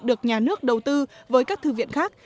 được nhà nước đầu tư với các thư viện khác